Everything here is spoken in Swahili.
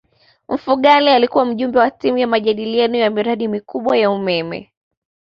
mfugale alikuwa mjumbe wa timu ya majadiliano ya miradi mikubwa ya umeme